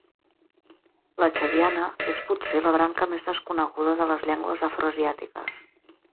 La txadiana és, potser, la branca més desconeguda de les llengües afroasiàtiques.